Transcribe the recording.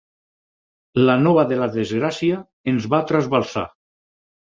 La nova de la desgràcia ens va trasbalsar.